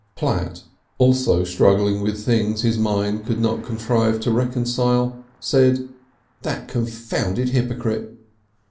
Platt, also struggling with things his mind could not contrive to reconcile, said "that confounded hypocrite."